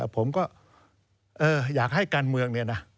ผมก็อยากให้การเมืองเนี่ยนะ